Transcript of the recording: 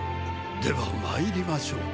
では参りましょう。